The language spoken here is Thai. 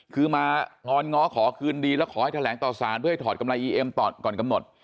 คือมางอนง้อขอคืนดีแล้วขอให้แถลงต่อสารเพื่อให้ถอดกำไรอีเอ็มตอนก่อนกำหนด